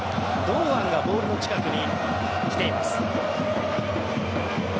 堂安がボールの近くに来ています。